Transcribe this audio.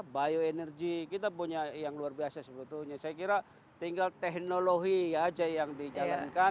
bioenergi kita punya yang luar biasa sebetulnya saya kira tinggal teknologi aja yang dijalankan